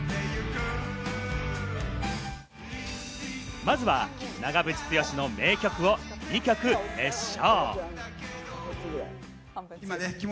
まずは長渕剛の名曲を２曲熱唱。